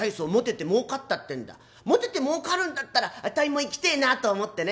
もてて儲かるんだったらあたいも行きてえなと思ってね」。